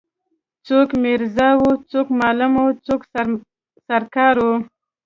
څوک میرزا وو څوک معلم وو څوک سر کار وو.